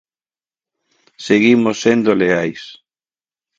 Seguimos sendo leais.